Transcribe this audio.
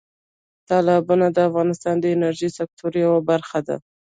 تالابونه د افغانستان د انرژۍ سکتور یوه برخه ده.